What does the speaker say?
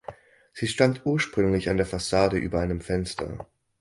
Sie stand ursprünglich an der Fassade über einem Fenster.